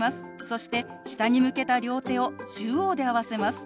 そして下に向けた両手を中央で合わせます。